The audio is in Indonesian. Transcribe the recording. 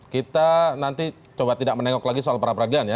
kita nanti coba tidak menengok lagi soal peradilan ya